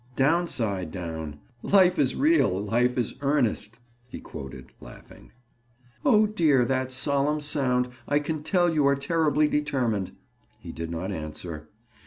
Downside down. 'Life is real; life is earnest,'" he quoted, laughing. "Oh, dear! That solemn sound! I can tell you are terribly determined." He did not answer.